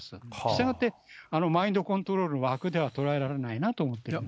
したがって、マインドコントロールの枠ではとらえられないと思っています。